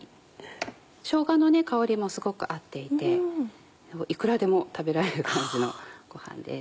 しょうがの香りもすごく合っていていくらでも食べられる感じのごはんです。